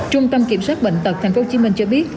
trung tâm kiểm soát bệnh tật tp hcm cho biết